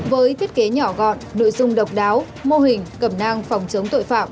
với thiết kế nhỏ gọn nội dung độc đáo mô hình cẩm nang phòng chống tội phạm